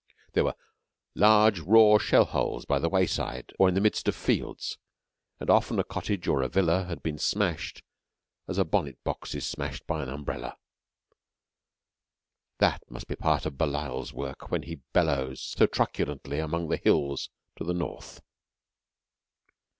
There were large raw shell holes by the wayside or in the midst of fields, and often a cottage or a villa had been smashed as a bonnet box is smashed by an umbrella. That must be part of Belial's work when he bellows so truculently among the hills to the north.